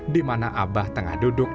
di mana abah tengah duduk